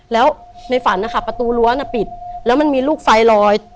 แล้วในฝันนะคะประตูรั้วน่ะปิดแล้วมันมีลูกไฟลอย